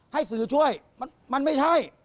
ให้สื่อช่วยมันไม่ใช่